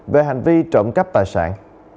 về hành vi trộm cắp tài sản